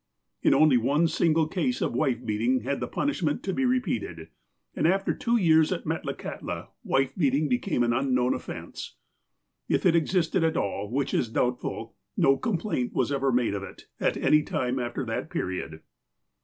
In only one single case of wife beating had the punish ment to be repeated, and after two years at Metlakahtla, wife beating became an unknown offence. If it existed at all, which is doubtful, no complaint was ever made of it, at any time after that period.